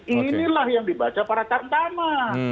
inilah yang dibaca para cantama